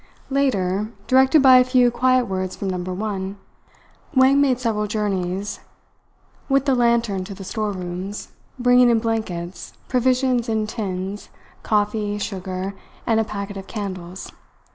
Later, directed by a few quiet words from Number One, Wang made several journeys with the lantern to the store rooms, bringing in blankets, provisions in tins, coffee, sugar, and a packet of candles.